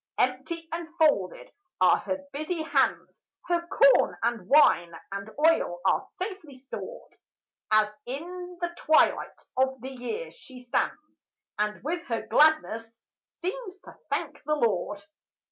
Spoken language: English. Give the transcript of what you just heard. Empty and folded are her busy hands; Her corn and wine and oil are safely stored, As in the twilight of the year she stands, And with her gladness seems to thank the Lord.